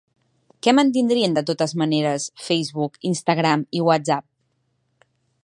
Què mantindrien de totes maneres Facebook, Instagram i WhatsApp?